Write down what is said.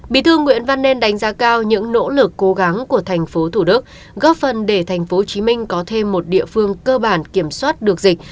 bí thư nguyễn văn nên đánh giá cao những nỗ lực cố gắng của thành phố thủ đức góp phần để tp hcm có thêm một địa phương cơ bản kiểm soát được dịch